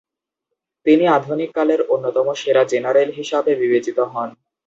তিনি আধুনিক কালের অন্যতম সেরা জেনারেল হিসাবে বিবেচিত হন।